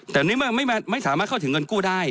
แต่ในเมื่อไม่สามารถเข้าถึงเงินกู้ได้